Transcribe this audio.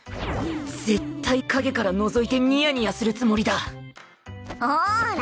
絶対陰からのぞいてニヤニヤするつもりだほら！